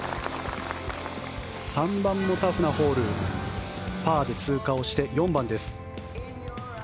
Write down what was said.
３番のタフなホールパーで通過をして４番です。